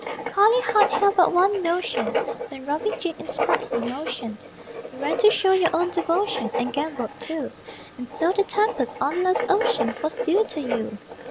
Your collie heart held but one notion When Robbie jigged in sprightly motion You ran to show your own devotion And gambolled too, And so that tempest on love's ocean Was due to you!